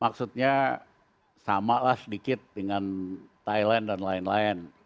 maksudnya samalah sedikit dengan thailand dan lain lain